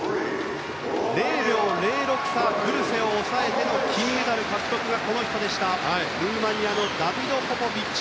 ０秒０６差でグルセを抑えての金メダル獲得がこの人でした、ルーマニアのダビド・ポポビッチ。